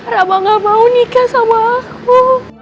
rama gak mau nikah sama aku